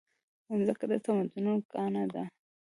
مځکه د تمدنونو ګاڼه ده.